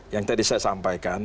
yang tadi saya sampaikan